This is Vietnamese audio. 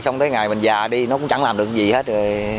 xong tới ngày mình già đi nó cũng chẳng làm được gì hết rồi